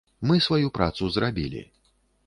Мы сваю працу зрабілі.